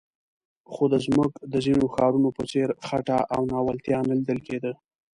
خو د زموږ د ځینو ښارونو په څېر خټه او ناولتیا نه لیدل کېده.